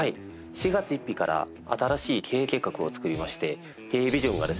４月１日から新しい経営計画を作りまして経営ビジョンがですね